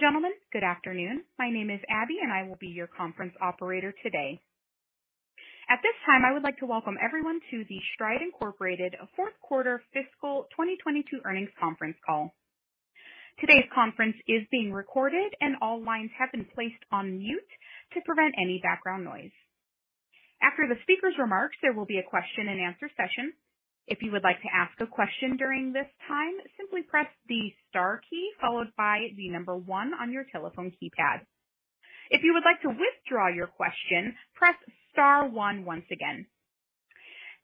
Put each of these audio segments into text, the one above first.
Gentlemen, good afternoon. My name is Abby, and I will be your conference operator today. At this time, I would like to welcome everyone to the Stride, Inc. Fourth Quarter Fiscal 2022 Earnings Conference Call. Today's conference is being recorded, and all lines have been placed on mute to prevent any background noise. After the speaker's remarks, there will be a question-and-answer session. If you would like to ask a question during this time, simply press the star key followed by the number one on your telephone keypad. If you would like to withdraw your question, press star one once again.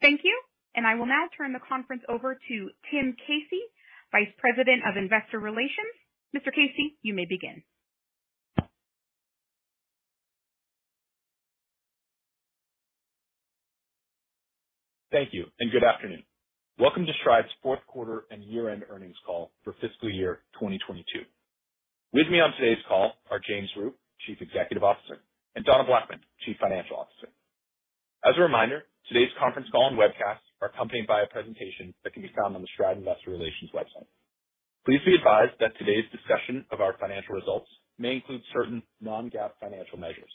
Thank you, and I will now turn the conference over to Tim Casey, Vice President of Investor Relations. Mr. Casey, you may begin. Thank you and good afternoon. Welcome to Stride's fourth quarter and year-end earnings call for fiscal year 2022. With me on today's call are James Rhyu, Chief Executive Officer, and Donna Blackman, Chief Financial Officer. As a reminder, today's conference call and webcast are accompanied by a presentation that can be found on the Stride Investor Relations website. Please be advised that today's discussion of our financial results may include certain non-GAAP financial measures.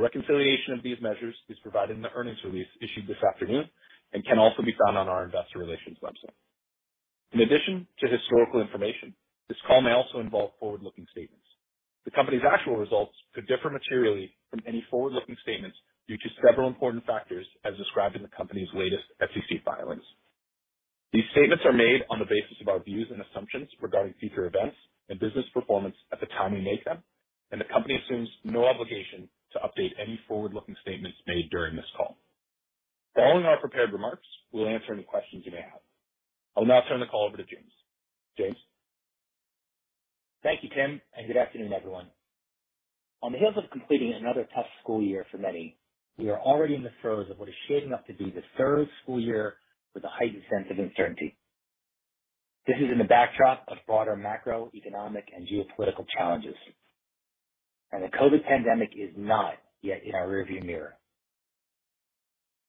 A reconciliation of these measures is provided in the earnings release issued this afternoon and can also be found on our investor relations website. In addition to historical information, this call may also involve forward-looking statements. The company's actual results could differ materially from any forward-looking statements due to several important factors as described in the company's latest SEC filings. These statements are made on the basis of our views and assumptions regarding future events and business performance at the time we make them, and the company assumes no obligation to update any forward-looking statements made during this call. Following our prepared remarks, we'll answer any questions you may have. I'll now turn the call over to James. James. Thank you, Tim, and good afternoon, everyone. On the heels of completing another tough school year for many, we are already in the throes of what is shaping up to be the third school year with a heightened sense of uncertainty. This is in the backdrop of broader macroeconomic and geopolitical challenges. The COVID pandemic is not yet in our rearview mirror.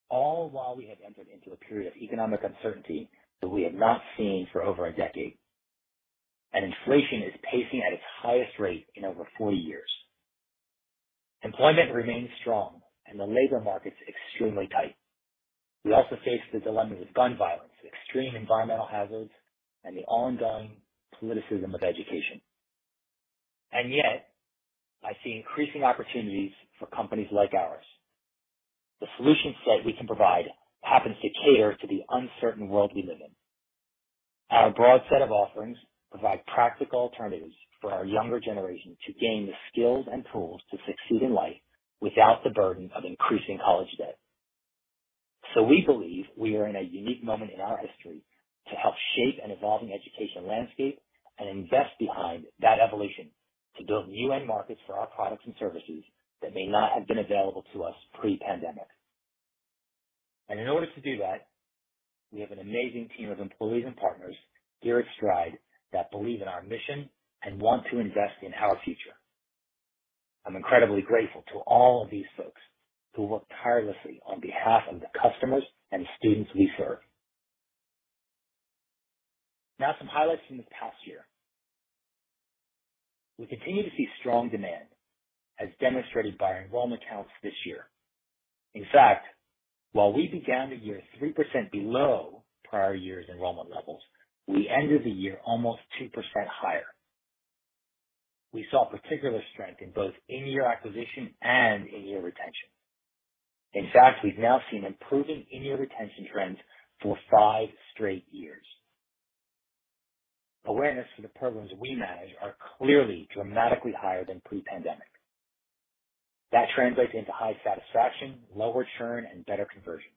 All while we have entered into a period of economic uncertainty that we have not seen for over a decade, and inflation is pacing at its highest rate in over forty years. Employment remains strong and the labor markets extremely tight. We also face the dilemma of gun violence, extreme environmental hazards, and the ongoing politicization of education. Yet, I see increasing opportunities for companies like ours. The solution set we can provide happens to cater to the uncertain world we live in. Our broad set of offerings provide practical alternatives for our younger generation to gain the skills and tools to succeed in life without the burden of increasing college debt. We believe we are in a unique moment in our history to help shape an evolving education landscape and invest behind that evolution to build new end markets for our products and services that may not have been available to us pre-pandemic. In order to do that, we have an amazing team of employees and partners here at Stride that believe in our mission and want to invest in our future. I'm incredibly grateful to all of these folks who work tirelessly on behalf of the customers and students we serve. Now some highlights from this past year. We continue to see strong demand, as demonstrated by our enrollment counts this year. In fact, while we began the year 3% below prior year's enrollment levels, we ended the year almost 2% higher. We saw particular strength in both in-year acquisition and in-year retention. In fact, we've now seen improving in-year retention trends for five straight years. Awareness for the programs we manage are clearly dramatically higher than pre-pandemic. That translates into high satisfaction, lower churn, and better conversion.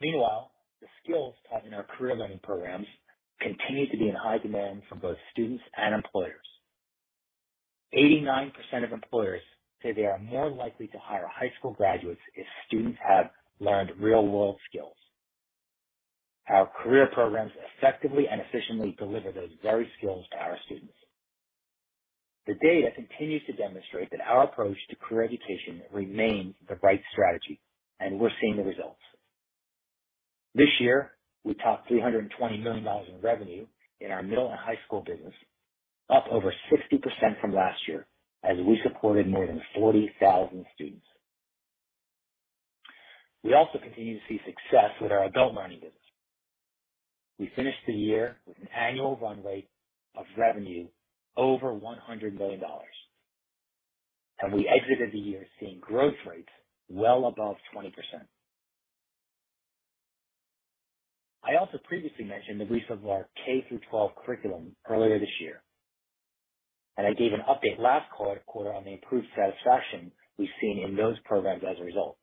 Meanwhile, the skills taught in our career learning programs continue to be in high demand from both students and employers. 89% of employers say they are more likely to hire high school graduates if students have learned real-world skills. Our career programs effectively and efficiently deliver those very skills to our students. The data continues to demonstrate that our approach to career education remains the right strategy, and we're seeing the results. This year, we topped $320 million in revenue in our middle and high school business, up over 60% from last year as we supported more than 40,000 students. We also continue to see success with our adult learning business. We finished the year with an annual run rate of revenue over $100 million, and we exited the year seeing growth rates well above 20%. I also previously mentioned the release of our K-12 curriculum earlier this year, and I gave an update last quarter on the improved satisfaction we've seen in those programs as a result.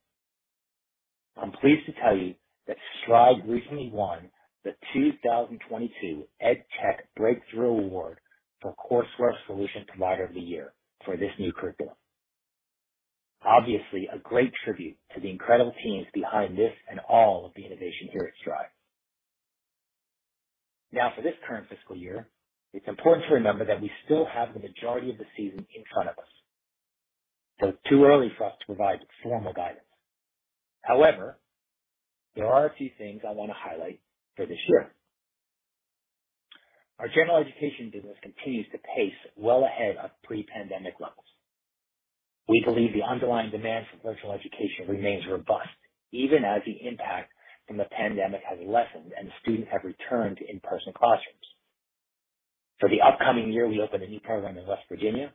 I'm pleased to tell you that Stride recently won the 2022 EdTech Breakthrough Award for Courseware Solution Provider of the Year for this new curriculum. Obviously, a great tribute to the incredible teams behind this and all of the innovation here at Stride. Now, for this current fiscal year, it's important to remember that we still have the majority of the season in front of us. Too early for us to provide formal guidance. However, there are a few things I want to highlight for this year. Our General Education business continues to pace well ahead of pre-pandemic levels. We believe the underlying demand for virtual education remains robust even as the impact from the pandemic has lessened and students have returned to in-person classrooms. For the upcoming year, we opened a new program in West Virginia,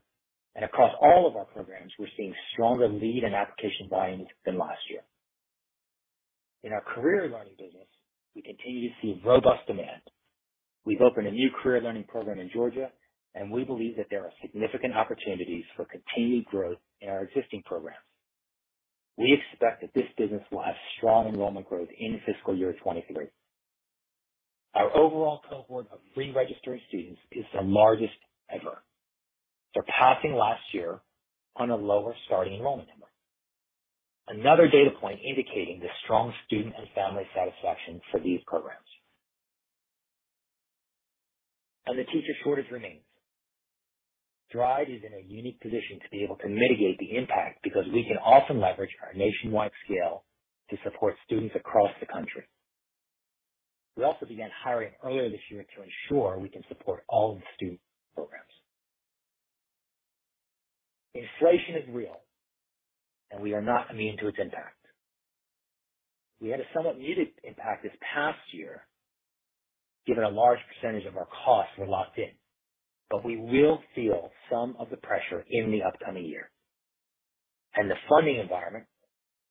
and across all of our programs, we're seeing stronger lead and application volumes than last year. In our Career Learning business, we continue to see robust demand. We've opened a new Career Learning program in Georgia, and we believe that there are significant opportunities for continued growth in our existing programs. We expect that this business will have strong enrollment growth in fiscal year 2023. Our overall cohort of pre-registered students is the largest ever, surpassing last year on a lower starting enrollment number. Another data point indicating the strong student and family satisfaction for these programs. The teacher shortage remains. Stride is in a unique position to be able to mitigate the impact because we can often leverage our nationwide scale to support students across the country. We also began hiring earlier this year to ensure we can support all of the student programs. Inflation is real, and we are not immune to its impact. We had a somewhat muted impact this past year, given a large percentage of our costs were locked in, but we will feel some of the pressure in the upcoming year. The funding environment,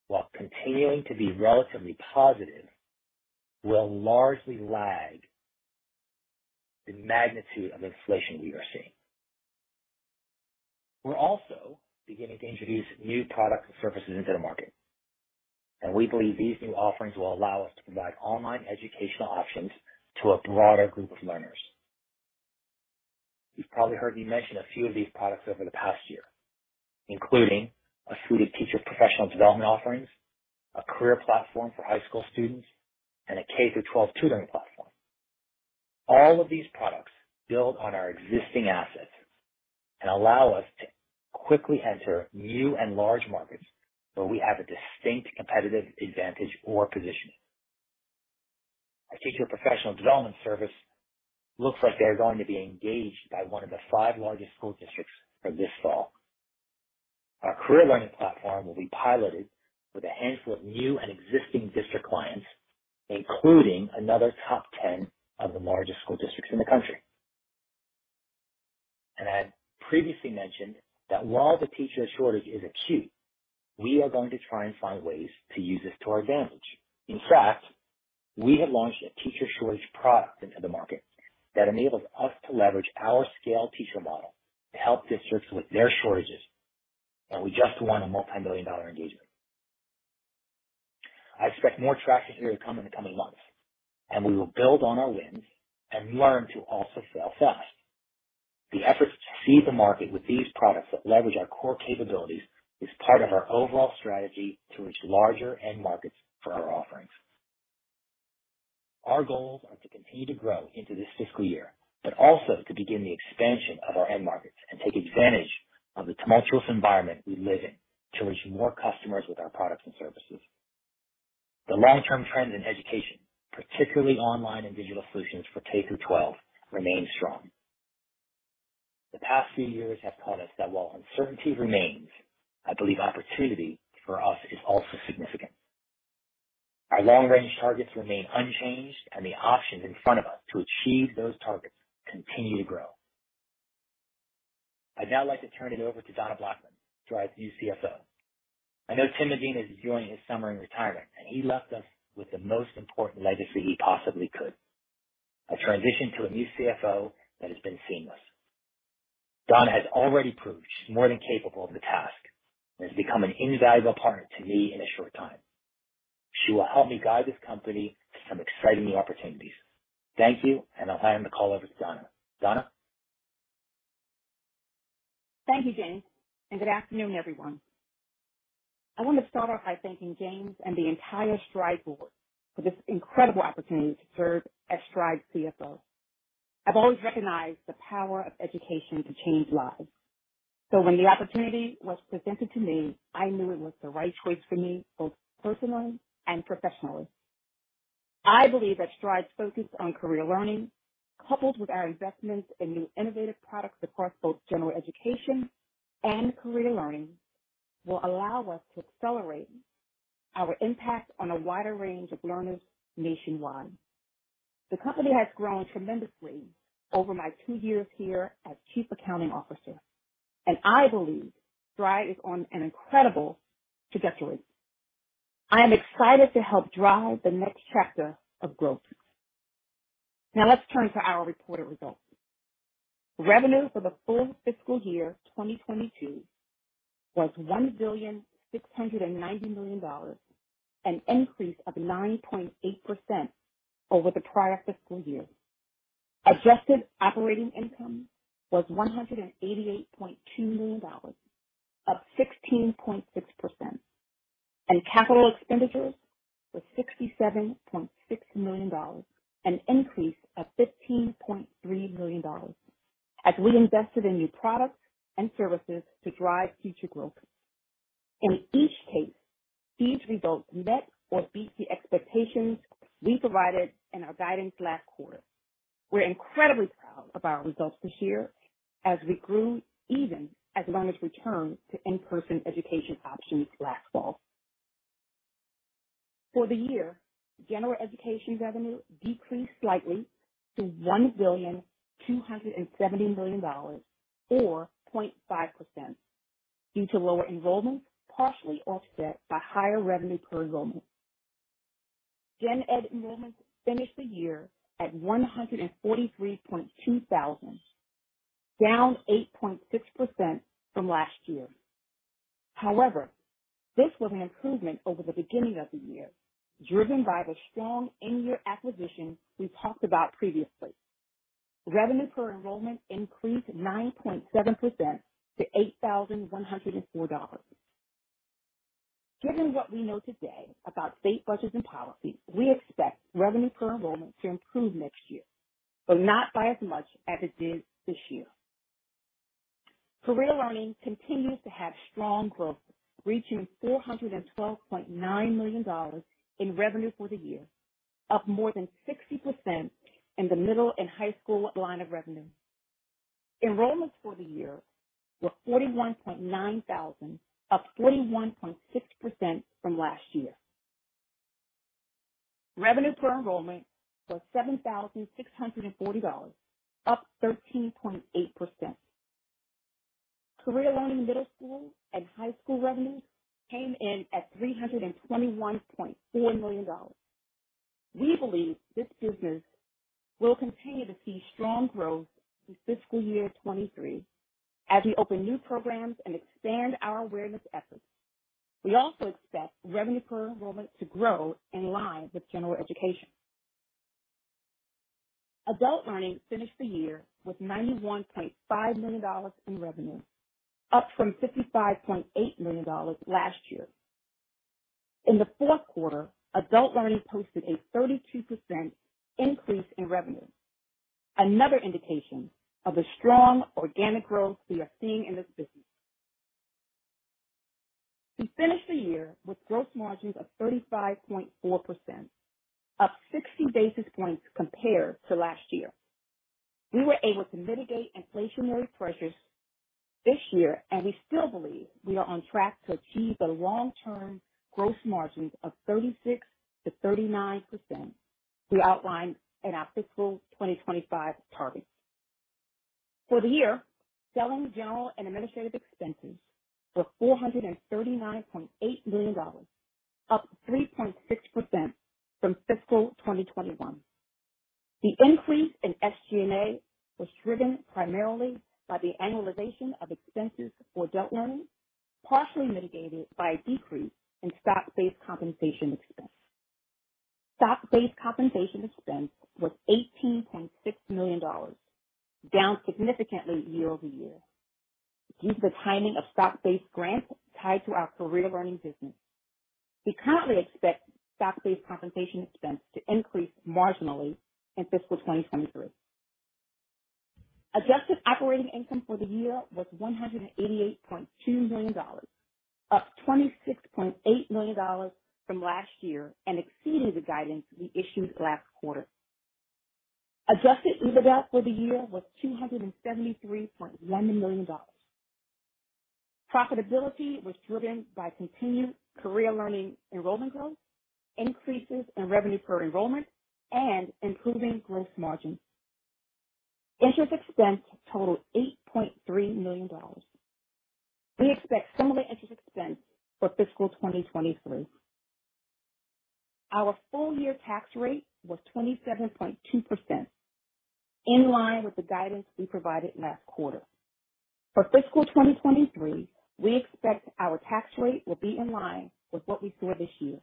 while continuing to be relatively positive, will largely lag the magnitude of inflation we are seeing. We're also beginning to introduce new products and services into the market, and we believe these new offerings will allow us to provide online educational options to a broader group of learners. You've probably heard me mention a few of these products over the past year, including a suite of teacher professional development offerings, a career platform for high school students, and a K-12 tutoring platform. All of these products build on our existing assets and allow us to quickly enter new and large markets where we have a distinct competitive advantage or positioning. Our teacher professional development service looks like they're going to be engaged by one of the five largest school districts for this fall. Our Career Learning platform will be piloted with a handful of new and existing district clients, including another top 10 of the largest school districts in the country. I had previously mentioned that while the teacher shortage is acute, we are going to try and find ways to use this to our advantage. In fact, we have launched a teacher shortage product into the market that enables us to leverage our scale teacher model to help districts with their shortages. We just won a multi-million dollar engagement. I expect more traction here to come in the coming months, and we will build on our wins and learn to also fail fast. The efforts to seed the market with these products that leverage our core capabilities is part of our overall strategy to reach larger end markets for our offerings. Our goals are to continue to grow into this fiscal year, but also to begin the expansion of our end markets and take advantage of the tumultuous environment we live in to reach more customers with our products and services. The long-term trends in education, particularly online and digital solutions for K-12, remain strong. The past few years have taught us that while uncertainty remains, I believe opportunity for us is also significant. Our long-range targets remain unchanged, and the options in front of us to achieve those targets continue to grow. I'd now like to turn it over to Donna Blackman, Stride's new CFO. I know Tim Medina is enjoying his summer in retirement, and he left us with the most important legacy he possibly could. A transition to a new CFO that has been seamless. Donna has already proved she's more than capable of the task and has become an invaluable partner to me in a short time. She will help me guide this company to some exciting new opportunities. Thank you, and I'll hand the call over to Donna. Donna? Thank you, James, and good afternoon, everyone. I want to start off by thanking James and the entire Stride board for this incredible opportunity to serve as Stride CFO. I've always recognized the power of education to change lives. When the opportunity was presented to me, I knew it was the right choice for me, both personally and professionally. I believe that Stride's focus on Career Learning, coupled with our investments in new innovative products across both General Education and Career Learning, will allow us to accelerate our impact on a wider range of learners nationwide. The company has grown tremendously over my two years here as chief accounting officer, and I believe Stride is on an incredible trajectory. I am excited to help drive the next chapter of growth. Now let's turn to our reported results. Revenue for the full fiscal year 2022 was $1.69 billion, an increase of 9.8% over the prior fiscal year. Adjusted operating income was $188.2 million, up 16.6%. Capital expenditures was $67.6 million, an increase of $15.3 million as we invested in new products and services to drive future growth. In each case, these results met or beat the expectations we provided in our guidance last quarter. We're incredibly proud of our results this year as we grew even as learners returned to in-person education options last fall. For the year, General Education revenue decreased slightly to $1.27 billion, or 0.5%, due to lower enrollments, partially offset by higher revenue per enrollment. General Education enrollments finished the year at 143.2 thousand, down 8.6% from last year. However, this was an improvement over the beginning of the year, driven by the strong in-year acquisition we talked about previously. Revenue per enrollment increased 9.7% to $8,104. Given what we know today about state budgets and policies, we expect revenue per enrollment to improve next year, but not by as much as it did this year. Career Learning continues to have strong growth, reaching $412.9 million in revenue for the year, up more than 60% in the middle and high school line of revenue. Enrollments for the year were 41.9 thousand, up 41.6% from last year. Revenue per enrollment was $7,640, up 13.8%. Career Learning middle school and high school revenue came in at $321.4 million. We believe this business will continue to see strong growth through fiscal year 2023 as we open new programs and expand our awareness efforts. We also expect revenue per enrollment to grow in line with General Education. Adult Learning finished the year with $91.5 million in revenue, up from $55.8 million last year. In the fourth quarter, Adult Learning posted a 32% increase in revenue, another indication of the strong organic growth we are seeing in this business. We finished the year with gross margins of 35.4%, up 60 basis points compared to last year. We were able to mitigate inflationary pressures this year, and we still believe we are on track to achieve the long-term gross margins of 36%-39% we outlined in our fiscal 2025 targets. For the year, selling, general, and administrative expenses were $439.8 million, up 3.6% from fiscal 2021. The increase in SG&A was driven primarily by the annualization of expenses for Adult Learning, partially mitigated by a decrease in stock-based compensation expense. Stock-based compensation expense was $18.6 million, down significantly year over year due to the timing of stock-based grants tied to our Career Learning business. We currently expect stock-based compensation expense to increase marginally in fiscal 2023. Adjusted operating income for the year was $188.2 million, up $26.8 million from last year and exceeded the guidance we issued last quarter. Adjusted EBITDA for the year was $273.1 million. Profitability was driven by continued Career Learning enrollment growth, increases in revenue per enrollment, and improving gross margin. Interest expense totaled $8.3 million. We expect similar interest expense for fiscal 2023. Our full year tax rate was 27.2%, in line with the guidance we provided last quarter. For fiscal 2023, we expect our tax rate will be in line with what we saw this year.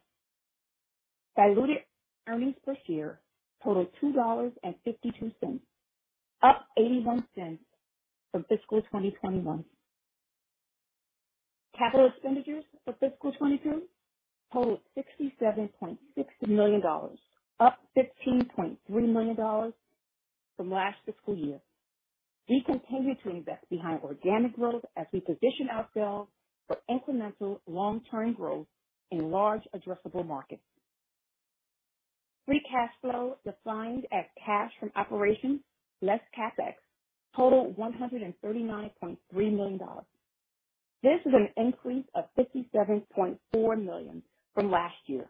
Diluted earnings per share totaled $2.52, up $0.81 from fiscal 2021. Capital expenditures for fiscal 2022 totaled $67.6 million, up $15.3 million from last fiscal year. We continue to invest behind organic growth as we position ourselves for incremental long-term growth in large addressable markets. Free cash flow, defined as cash from operations less CapEx, totaled $139.3 million. This is an increase of $57.4 million from last year,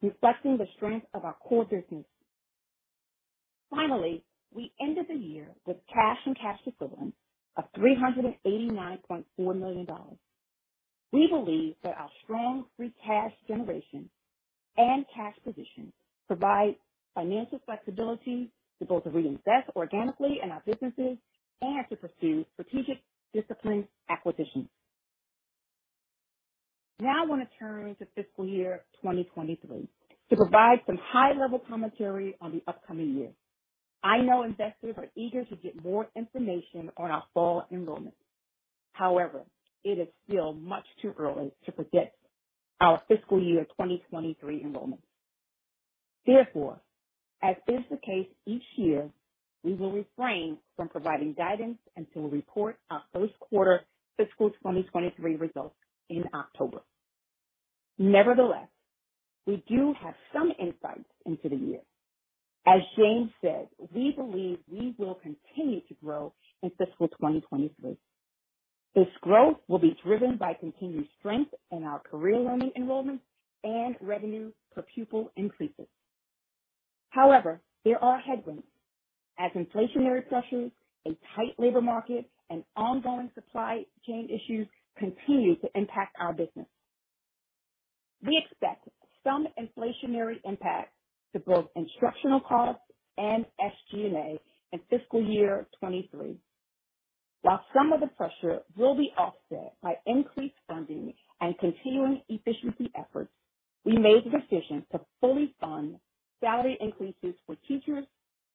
reflecting the strength of our core businesses. Finally, we ended the year with cash and cash equivalents of $389.4 million. We believe that our strong free cash generation and cash position provide financial flexibility to both reinvest organically in our businesses and to pursue strategic disciplined acquisitions. Now I want to turn to fiscal year 2023 to provide some high-level commentary on the upcoming year. I know investors are eager to get more information on our fall enrollment. However, it is still much too early to predict our fiscal year 2023 enrollment. Therefore, as is the case each year, we will refrain from providing guidance until we report our first quarter fiscal 2023 results in October. Nevertheless, we do have some insights into the year. As James said, we believe we will continue to grow in fiscal year 2023. This growth will be driven by continued strength in our Career Learning enrollment and revenue per pupil increases. However, there are headwinds as inflationary pressures, a tight labor market, and ongoing supply chain issues continue to impact our business. We expect some inflationary impact to both instructional costs and SG&A in fiscal year 2023. While some of the pressure will be offset by increased funding and continuing efficiency efforts, we made the decision to fully fund salary increases for teachers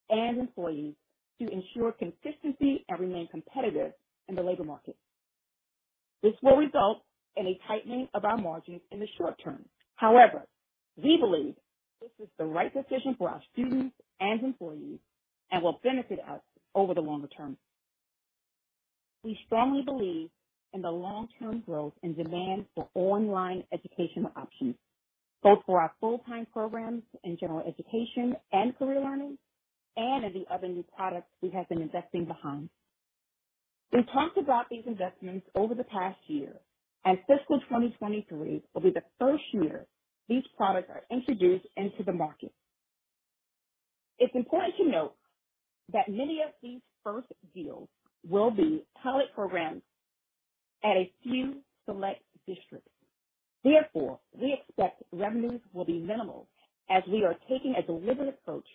and employees to ensure consistency and remain competitive in the labor market. This will result in a tightening of our margins in the short term. However, we believe this is the right decision for our students and employees and will benefit us over the longer term. We strongly believe in the long-term growth and demand for online education options, both for our full-time programs in General Education and Career Learning and in the other new products we have been investing behind. We've talked about these investments over the past year, and fiscal 2023 will be the first year these products are introduced into the market. It's important to note that many of these first deals will be pilot programs at a few select districts. Therefore, we expect revenues will be minimal as we are taking a deliberate approach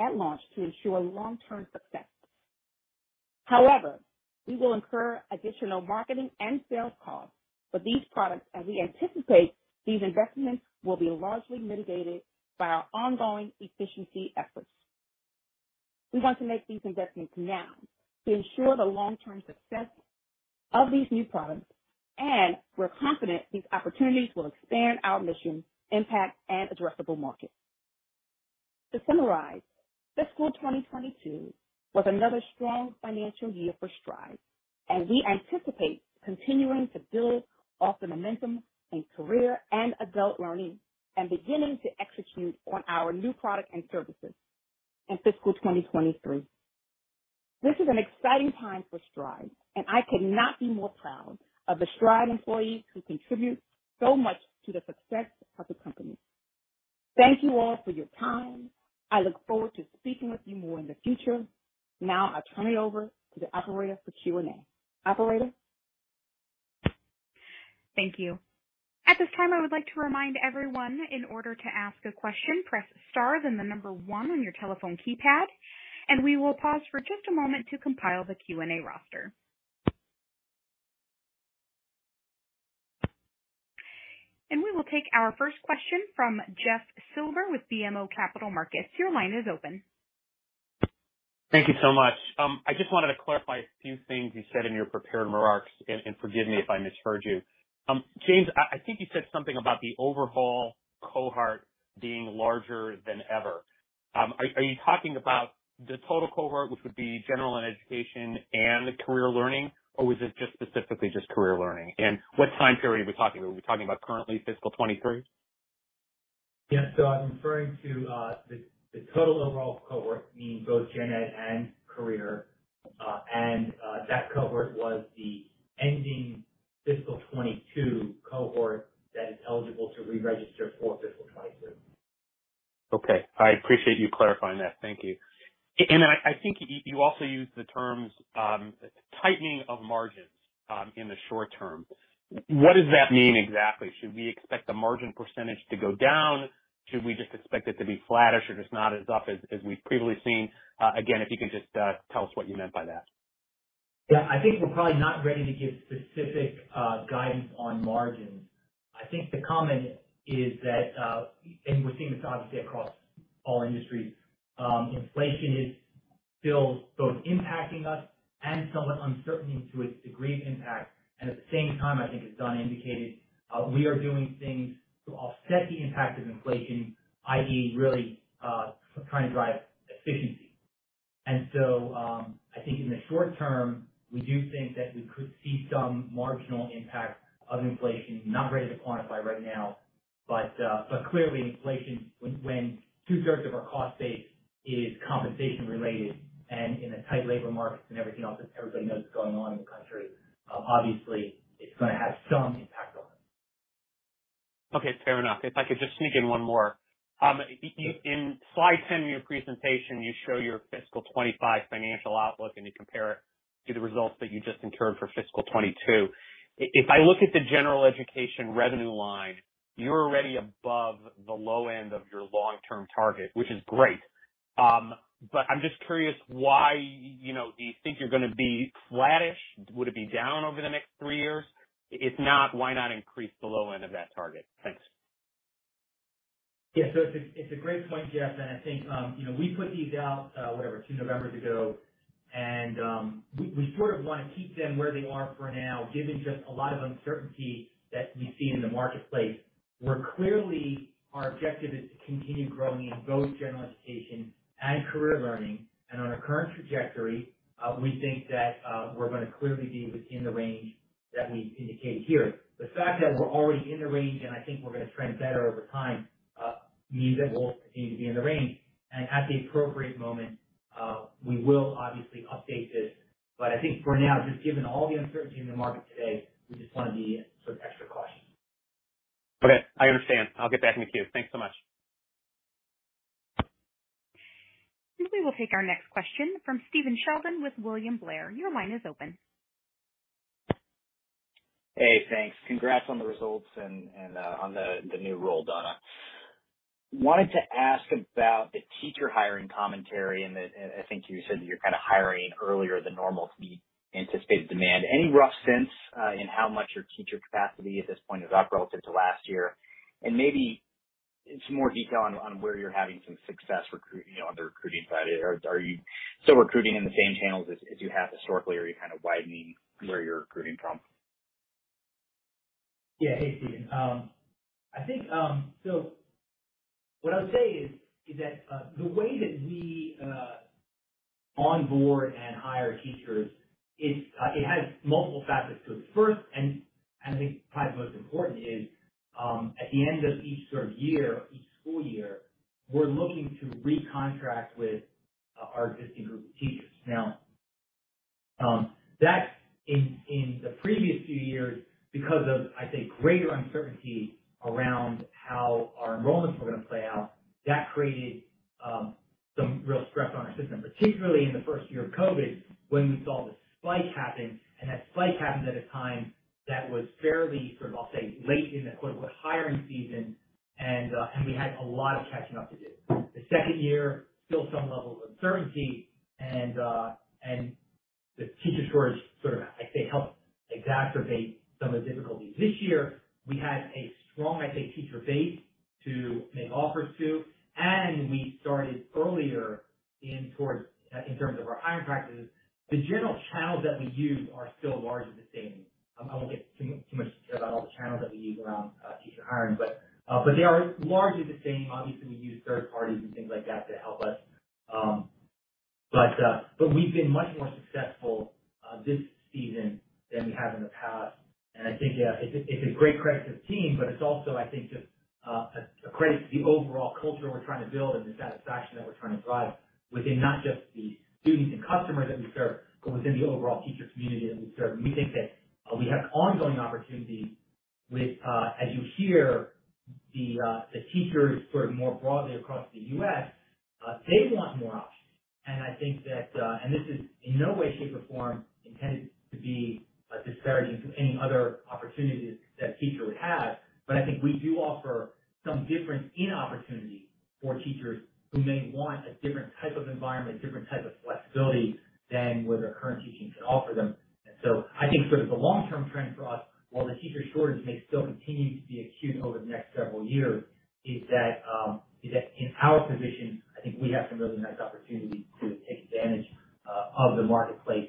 at launch to ensure long-term success. However, we will incur additional marketing and sales costs for these products as we anticipate these investments will be largely mitigated by our ongoing efficiency efforts. We want to make these investments now to ensure the long-term success of these new products, and we're confident these opportunities will expand our mission, impact, and addressable market. To summarize, fiscal 2022 was another strong financial year for Stride, and we anticipate continuing to build off the momentum in career and adult learning and beginning to execute on our new product and services in fiscal 2023. This is an exciting time for Stride, and I could not be more proud of the Stride employees who contribute so much to the success of the company. Thank you all for your time. I look forward to speaking with you more in the future. Now I turn it over to the operator for Q&A. Operator? Thank you. At this time, I would like to remind everyone, in order to ask a question, press star, then the number one on your telephone keypad. We will pause for just a moment to compile the Q&A roster. We will take our first question from Jeffrey Silber with BMO Capital Markets. Your line is open. Thank you so much. I just wanted to clarify a few things you said in your prepared remarks, and forgive me if I misheard you. James, I think you said something about the overall cohort being larger than ever. Are you talking about the total cohort, which would be General Education and Career Learning, or was it just specifically just Career Learning? What time period are we talking? Are we talking about currently fiscal 2023? Yes. I'm referring to the total overall cohort, meaning both gen ed and career. That cohort was the ending fiscal 2022 cohort that is eligible to re-register for fiscal 2022. Okay. I appreciate you clarifying that. Thank you. I think you also used the terms tightening of margins in the short term. What does that mean exactly? Should we expect the margin percentage to go down? Should we just expect it to be flattish or just not as up as we've previously seen? Again, if you could just tell us what you meant by that. Yeah, I think we're probably not ready to give specific guidance on margins. I think the comment is that we're seeing this obviously across all industries, inflation is still both impacting us and somewhat uncertainty to its degree of impact. At the same time, I think as Donna indicated, we are doing things to offset the impact of inflation, i.e., really trying to drive efficiency. I think in the short term, we do think that we could see some marginal impact of inflation. Not ready to quantify right now, but clearly inflation, when 2/3 of our cost base is compensation related and in a tight labor market and everything else that everybody knows is going on in the country, obviously it's gonna have some impact on us. Okay, fair enough. If I could just sneak in one more. In slide 10 of your presentation, you show your fiscal 2025 financial outlook, and you compare it to the results that you just incurred for fiscal 2022. If I look at the General Education revenue line, you're already above the low end of your long-term target, which is great. I'm just curious why, you know, do you think you're gonna be flattish? Would it be down over the next three years? If not, why not increase the low end of that target? Thanks. Yeah. It's a great point, Jeff. I think you know, we put these out whatever, two Novembers ago, and we sort of wanna keep them where they are for now, given just a lot of uncertainty that we see in the marketplace. Our objective is to continue growing in both General Education and Career Learning. On our current trajectory, we think that we're gonna clearly be within the range that we indicate here. The fact that we're already in the range, and I think we're gonna trend better over time means that we'll continue to be in the range. At the appropriate moment, we will obviously update this. I think for now, just given all the uncertainty in the market today, we just wanna be sort of extra cautious. Okay, I understand. I'll get back in the queue. Thanks so much. We will take our next question from Stephen Sheldon with William Blair. Your line is open. Hey, thanks. Congrats on the results and on the new role, Donna. Wanted to ask about the teacher hiring commentary. I think you said that you're kinda hiring earlier than normal to meet anticipated demand. Any rough sense in how much your teacher capacity at this point is up relative to last year? And maybe some more detail on where you're having some success recruiting, you know, on the recruiting side. Are you still recruiting in the same channels as you have historically, or are you kinda widening where you're recruiting from? Yeah. Hey, Stephen. I think what I would say is that the way that we onboard and hire teachers is, it has multiple facets to it. First, I think probably the most important is at the end of each sort of year, each school year, we're looking to recontract with our existing group of teachers. Now, that in the previous few years, because of, I'd say, greater uncertainty around how our enrollments were gonna play out, that created some real stress on our system, particularly in the first year of COVID, when we saw the spike happen. That spike happened at a time that was fairly sort of, I'll say, late in the quote-unquote hiring season. We had a lot of catching up to do. The second year, still some level of uncertainty and the teacher shortage sort of, I'd say, helped exacerbate some of the difficulties. This year we had a strong, I'd say, teacher base to make offers to, and we started earlier in terms of our hiring practices. The general channels that we use are still largely the same. I won't get too much detail about all the channels that we use around teacher hiring, but they've been much more successful this season than we have in the past. I think it's a great credit to the team, but it's also, I think, just a credit to the overall culture we're trying to build and the satisfaction that we're trying to drive within not just the students and customers that we serve, but within the overall teacher community that we serve. We think that we have ongoing opportunity with as you hear the teachers sort of more broadly across the U.S., they want more options. I think that this is in no way, shape, or form intended to be a disparaging to any other opportunities that a teacher would have, but I think we do offer some difference in opportunity for teachers who may want a different type of environment, different type of flexibility than what their current teaching can offer them. I think sort of the long-term trend for us, while the teacher shortage may still continue to be acute over the next several years, is that in our position, I think we have some really nice opportunities to take advantage of the marketplace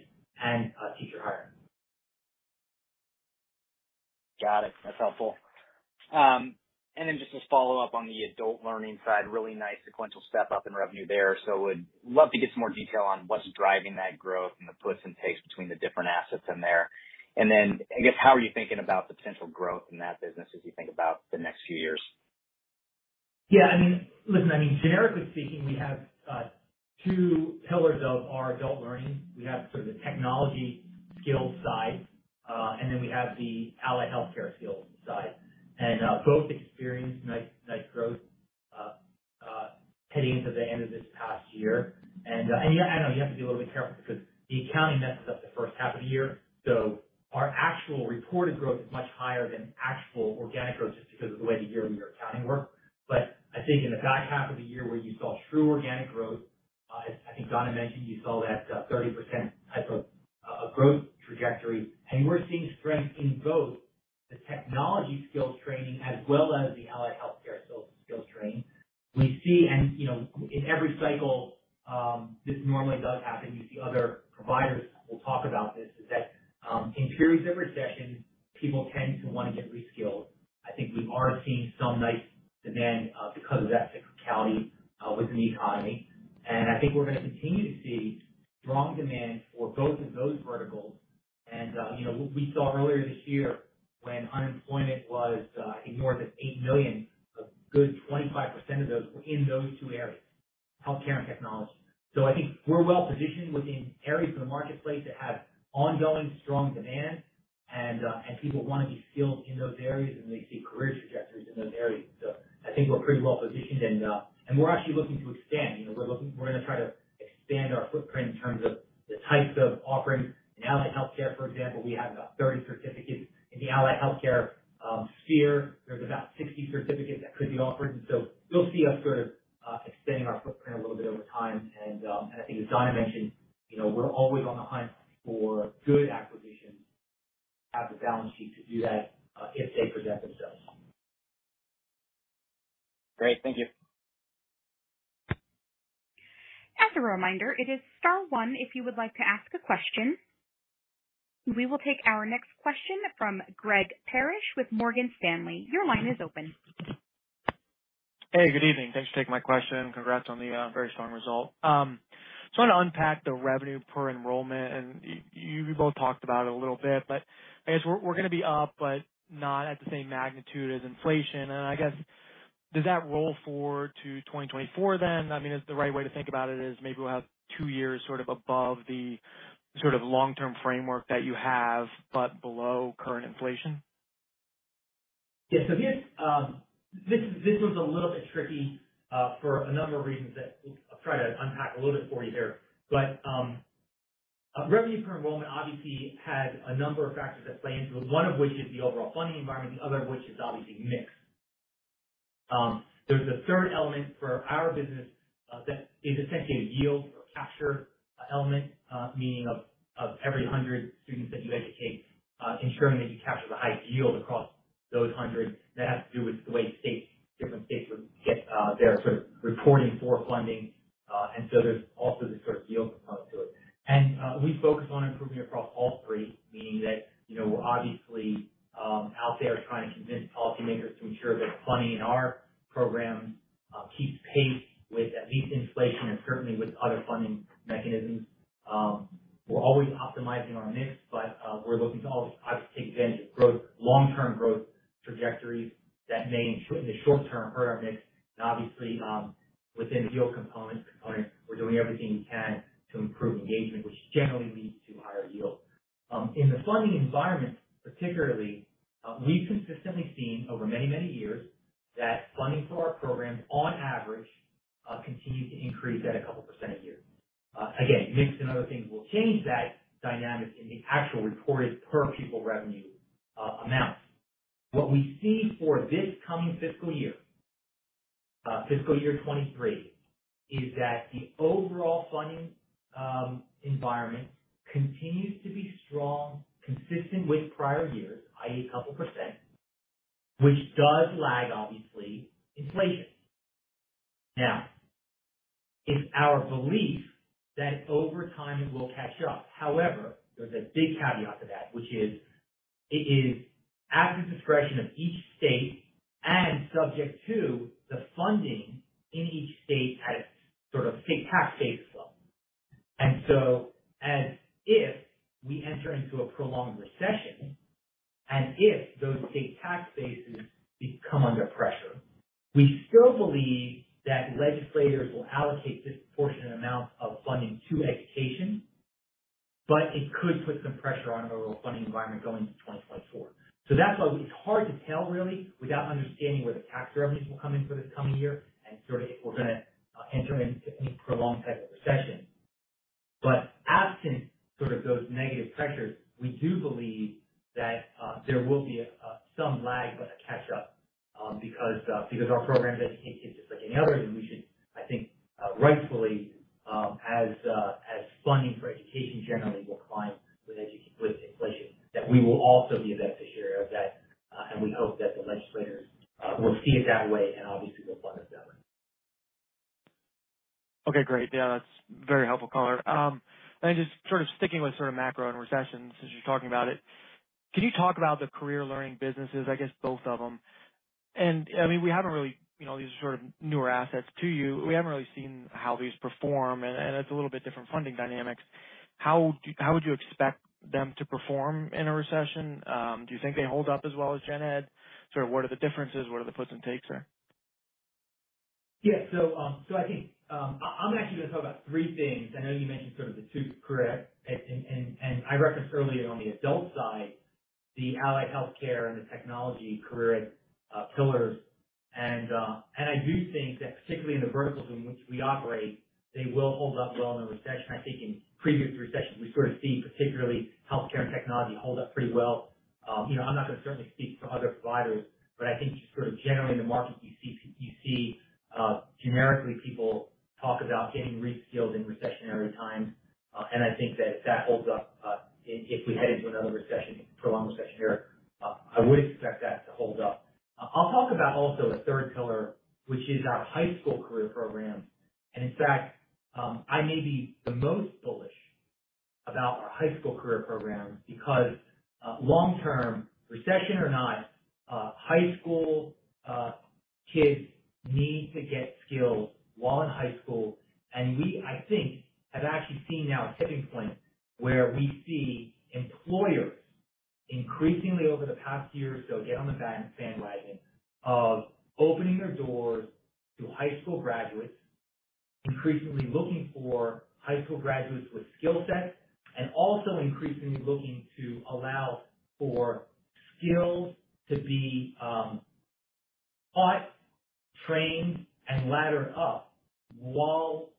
and teacher hiring. Got it. That's helpful. And then just to follow up on the Adult Learning side, really nice sequential step up in revenue there. Would love to get some more detail on what's driving that growth and the puts and takes between the different assets in there. I guess, how are you thinking about potential growth in that business as you think about the next few years? Yeah, I mean, listen, generically speaking, we have two pillars of our Adult Learning. We have sort of the technology skills side, and then we have the allied healthcare skills side. Both experienced nice growth heading into the end of this past year. You have to be a little bit careful because the accounting messes up the first half of the year. Our actual reported growth is much higher than actual organic growth just because of the way the year-over-year accounting works. I think in the back half of the year where you saw true organic growth, I think Donna mentioned you saw that 30% type of growth trajectory. We're seeing strength in both the technology skills training as well as the allied health care skills training. We see, and you know, in every cycle, this normally does happen. You see other providers will talk about this, that is, in periods of recession, people tend to wanna get re-skilled. I think we are seeing some nice demand because of that cyclicality within the economy. I think we're gonna continue to see strong demand for both of those verticals. You know, we saw earlier this year when unemployment was in north of 8 million, a good 25% of those were in those two areas, healthcare and technology. I think we're well positioned within areas of the marketplace that have ongoing strong demand and people wanna be skilled in those areas, and they see career trajectories in those areas. I think we're pretty well positioned. We're actually looking to expand. You know, we're gonna try to expand our footprint in terms of the types of offerings. In allied health care, for example, we have about 30 certificates. In the allied health care sphere there's about 60 certificates that could be offered. You'll see us sort of expanding our footprint a little bit over time. I think as Donna mentioned, you know, we're always on the hunt for good acquisitions. Have the balance sheet to do that, if they present themselves. Great. Thank you. As a reminder, it is star one if you would like to ask a question. We will take our next question from Greg Parrish with Morgan Stanley. Your line is open. Hey, good evening. Thanks for taking my question. Congrats on the very strong result. So I wanna unpack the revenue per enrollment, and you both talked about it a little bit, but I guess we're gonna be up, but not at the same magnitude as inflation. I guess, does that roll forward to 2024 then? I mean, is the right way to think about it is maybe we'll have two years sort of above the sort of long-term framework that you have, but below current inflation? This one's a little bit tricky for a number of reasons that I'll try to unpack a little bit for you here. Revenue per enrollment obviously has a number of factors that play into it, one of which is the overall funding environment, the other of which is obviously mix. There's a third element for our business that is essentially a yield or capture element, meaning of every hundred students that you educate, ensuring that you capture the highest yield across those hundred. That has to do with the way states, different states would get their sort of reporting for funding. There's also this sort of yield component to it. We focus on improving across all three, meaning that, you know, obviously, out there trying to convince policymakers to ensure that funding in our program keeps pace with at least inflation and certainly with other funding mechanisms. We're always optimizing our mix, but we're looking to always obviously take advantage of growth, long-term growth trajectories that may, in the short term, hurt our mix. Obviously, within the yield components, we're doing everything we can to improve engagement, which generally leads to higher yield. In the funding environment particularly, we've consistently seen over many, many years that funding for our programs on average continues to increase at a couple percent a year. Again, mix and other things will change that dynamic in the actual reported per-pupil revenue amounts. What we see for this coming fiscal year, fiscal year 2023, is that the overall funding environment continues to be strong, consistent with prior years, i.e., a couple percent, which does lag, obviously, inflation. Now, it's our belief that over time it will catch up. However, there's a big caveat to that, which is it is at the discretion of each state and subject to the funding in each state at a sort of state tax base level. As if we enter into a prolonged recession, and if those state tax bases become under pressure, we still believe that legislators will allocate disproportionate amounts of funding to education, but it could put some pressure on the overall funding environment going into 2024. That's why it's hard to tell really without understanding where the tax revenues will come in for this coming year and sort of if we're gonna enter into any prolonged type of recession. Absent sort of those negative pressures, we do believe that there will be some lag but a catch up because our programs educate kids just like any other, and we should, I think, rightfully, as funding for education generally will climb with inflation, that we will also be a beneficiary of that. We hope that the legislators will see it that way and obviously will fund us better. Okay, great. Yeah, that's very helpful color. Just sort of sticking with sort of macro and recessions since you're talking about it, can you talk about the Career Learning businesses, I guess both of them? I mean, we haven't really, you know, these are sort of newer assets to you. We haven't really seen how these perform and it's a little bit different funding dynamics. How would you expect them to perform in a recession? Do you think they hold up as well as Gen Ed? Sort of what are the differences? What are the puts and takes there? Yeah. I think I'm actually gonna talk about three things. I know you mentioned sort of the two career ed, and I referenced earlier on the adult side, the allied healthcare and the technology career ed pillars. I do think that particularly in the verticals in which we operate, they will hold up well in a recession. I think in previous recessions, we've sort of seen particularly healthcare and technology hold up pretty well. You know, I'm not gonna certainly speak for other providers, but I think just sort of generally in the markets, you see generically, people talk about getting reskilled in recessionary times. I think that holds up if we head into another recession, prolonged recession era. I would expect that to hold up. I'll talk about also a third pillar, which is our high school career programs. In fact, I may be the most bullish about our high school career programs because, long term, recession or not, high school kids need to get skills while in high school. We, I think, have actually seen now a tipping point where we see employers increasingly over the past year or so get on the bandwagon of opening their doors to high school graduates, increasingly looking for high school graduates with skill sets, and also increasingly looking to allow for skills to be taught, trained, and laddered up while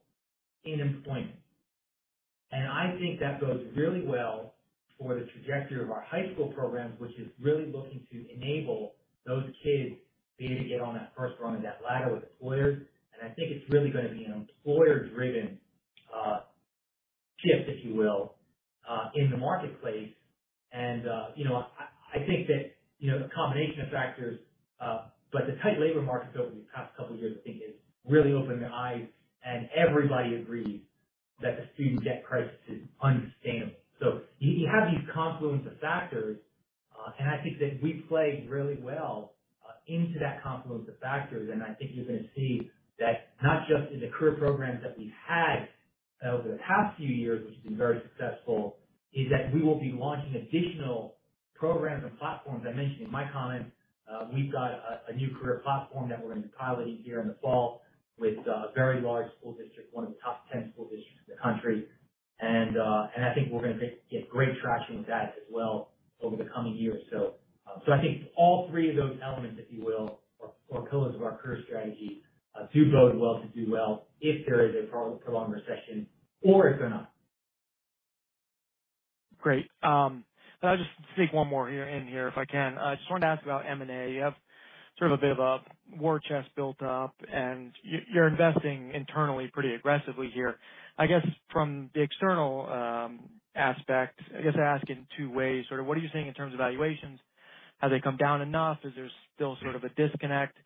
in employment. I think that bodes really well for the trajectory of our high school programs, which is really looking to enable those kids be able to get on that first rung of that ladder with employers. I think it's really gonna be an employer-driven shift, if you will, in the marketplace. You know, I think that, you know, the combination of factors, but the tight labor markets over these past couple of years, I think, has really opened their eyes, and everybody agrees that the student debt crisis is unsustainable. You have these confluence of factors, and I think that we play really well into that confluence of factors. I think you're gonna see that not just in the career programs that we've had over the past few years, which have been very successful, is that we will be launching additional programs and platforms. I mentioned in my comments, we've got a new career platform that we're gonna be piloting here in the fall with a very large school district, one of the top 10 school districts in the country. I think we're gonna get great traction with that as well over the coming year or so. I think all three of those elements, if you will, or pillars of our career strategy, do bode well to do well if there is a prolonged recession or if they're not. Great. I'll just sneak one more in here, if I can. I just wanted to ask about M&A. You have sort of a bit of a war chest built up, and you're investing internally pretty aggressively here. I guess from the external aspect, I guess I ask in two ways, sort of what are you seeing in terms of valuations? Have they come down enough? Is there still sort of a disconnect?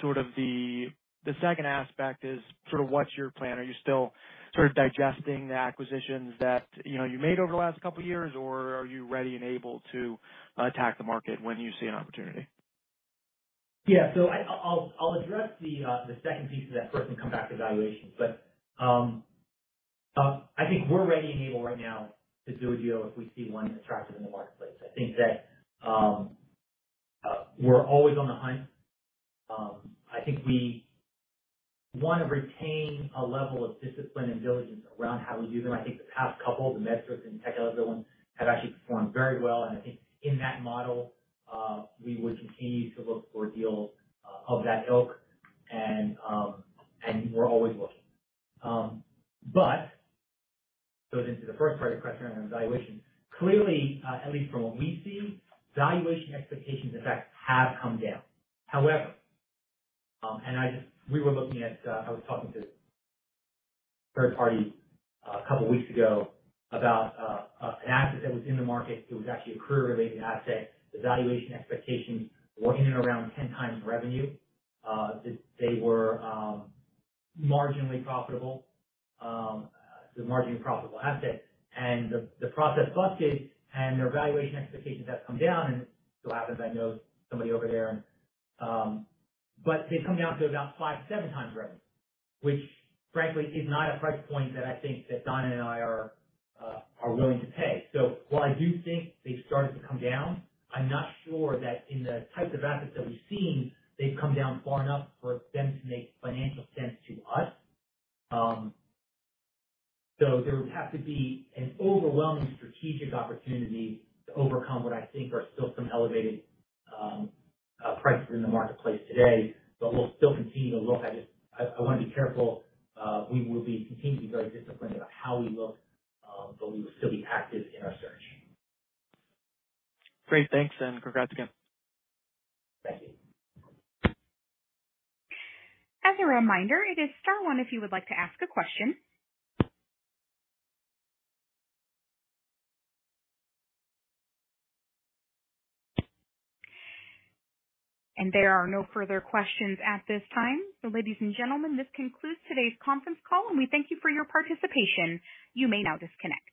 Sort of the second aspect is sort of what's your plan? Are you still sort of digesting the acquisitions that, you know, you made over the last couple of years, or are you ready and able to attack the market when you see an opportunity? I'll address the second piece of that first and come back to valuations. I think we're ready and able right now to do a deal if we see one that's attractive in the marketplace. I think we're always on the hunt. I think we wanna retain a level of discipline and diligence around how we do them. I think the past couple, the MedCerts and the Tech Elevator one, have actually performed very well. I think in that model, we would continue to look for deals of that ilk. We're always looking. It goes into the first part of your question around valuation. Clearly, at least from what we see, valuation expectations, in fact, have come down. However, I just we were looking at. I was talking to a third party a couple weeks ago about an asset that was in the market. It was actually a career-related asset. The valuation expectations were in and around 10x revenue. They were marginally profitable, so marginally profitable asset. The process busted, and their valuation expectations have come down. It so happens I know somebody over there and. They've come down to about 5x-7x revenue, which frankly is not a price point that I think that Donna and I are willing to pay. While I do think they've started to come down, I'm not sure that in the types of assets that we've seen, they've come down far enough for them to make financial sense to us. There would have to be an overwhelming strategic opportunity to overcome what I think are still some elevated prices in the marketplace today. We'll still continue to look. I wanna be careful. We will continue to be very disciplined about how we look, but we will still be active in our search. Great. Thanks. Congrats again. Thank you. As a reminder, it is star one if you would like to ask a question. There are no further questions at this time. Ladies and gentlemen, this concludes today's conference call, and we thank you for your participation. You may now disconnect.